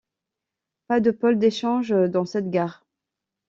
Pas de pôle d'échanges dans cette gare.